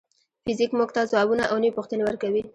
فزیک موږ ته ځوابونه او نوې پوښتنې ورکوي.